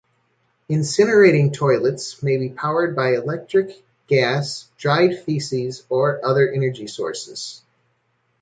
Incinerating toilets may be powered by electric, gas, dried feces or other energy sources.